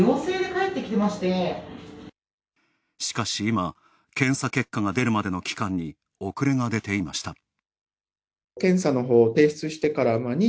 しかし今、検査結果が出るまでの期間に遅れが出ていました。